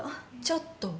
ちょっと？